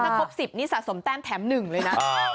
ถ้าครบ๑๐นี่สะสมแต้มแถม๑เลยนะ